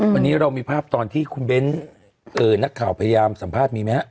วันนี้เรามีภาพตอนที่คุณเบ้นนักข่าวพยายามสัมภาษณ์มีไหมฮะ